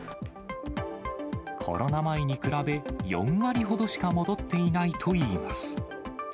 コロナ前に比べ、４割ほどしか戻っていないといいます。